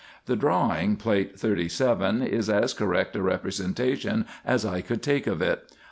The drawing, Plate 37, is as correct a representation as I could take of it.